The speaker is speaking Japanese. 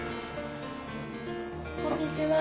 こんにちは。